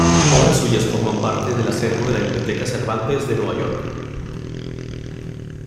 Obras suyas forman parte del acervo de la Biblioteca Cervantes de Nueva York.